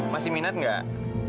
masih minat gak